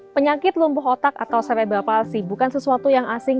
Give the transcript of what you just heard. penyakit lumpuh otak atau sebeb apalagi bukan sesuatu yang asing